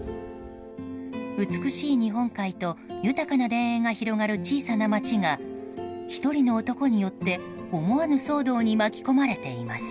美しい日本海と豊かな田園が広がる小さな町が１人の男によって、思わぬ騒動に巻き込まれています。